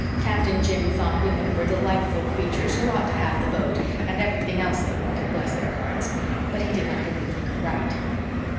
Captain Jim thought women were delightful creatures, who ought to have the vote, and everything else they wanted, bless their hearts; but he did not believe they could write.